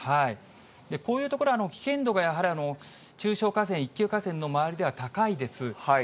こういう所、危険度がやはり中小河川、一級河川の周りでは高いです。